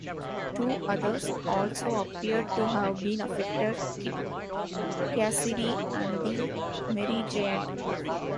Two others also appeared to have been affected, Kid Cassidy and The Merry Giant.